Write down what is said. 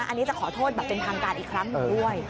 อันนี้จะขอโทษแบบเป็นทางการอีกครั้งหนึ่งด้วย